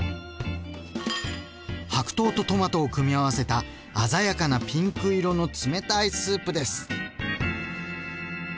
白桃とトマトを組み合わせた鮮やかなピンク色の冷たいスープです。